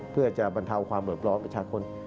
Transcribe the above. เพื่อจะบรรเทาความบริบร้อยประชาคน